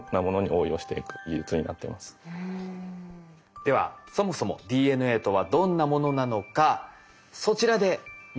ではそもそもＤＮＡとはどんなものなのかそちらで見ていきましょう。